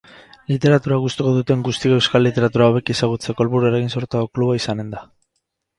Literatura gustuko duten guztiek euskal literatura hobeki ezagutzeko helburuarekin sortutako kluba izanen da.